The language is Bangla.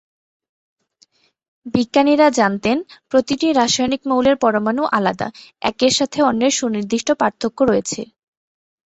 বিজ্ঞানীরা জানতেন, প্রতিটি রাসায়নিক মৌলের পরমাণু আলাদা, একের সাথে অন্যের সুনির্দিষ্ট পার্থক্য রয়েছে।